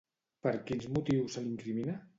Per quins motius se l'incrimina?